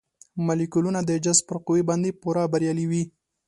مالیکولونه د جذب پر قوې باندې پوره بریالي وي.